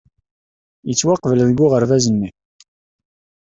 Yettwaqbel deg uɣerbaz-nni.